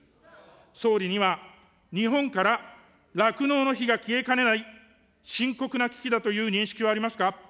総理には日本から酪農の灯が消えかねない深刻な危機だという認識はありますか。